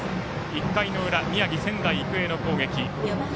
１回の裏、宮城、仙台育英の攻撃。